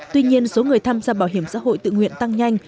tuy nhiên số người tham gia bảo hiểm xã hội tự nguyện tăng nhanh